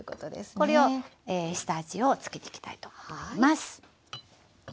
これを下味を付けていきたいと思います。